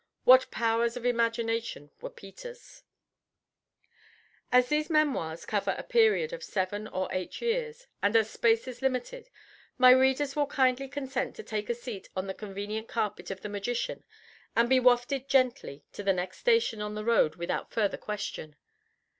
What powers of imagination were Peter's! As these memoirs cover a period of seven or eight years, and as space is limited, my readers will kindly consent to take a seat on the convenient carpet of the magician, and be wafted gently to the next station on the road without further question.